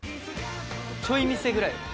ちょい見せぐらい。